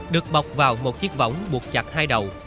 được bọc vào một chiếc vỏng buộc chặt hai đầu